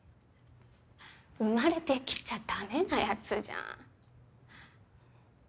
生まれて来ちゃダメなやつじゃん。